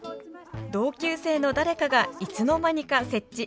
同級生の誰かがいつの間にか設置。